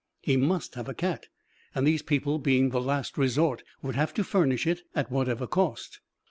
He must have a cat and these people being the last resort would have to furnish it at whatever cost.